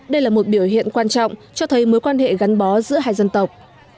đây là một biểu hiện quan trọng cho thấy mối quan hệ gắn bó giữa hai dân tộc